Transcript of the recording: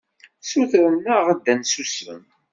Ssutren-aɣ-d ad nsusem.